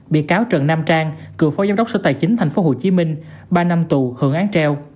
bị cáo trần nam trang cựu phó giám đốc sở tài chính tp hcm ba năm tù hưởng án treo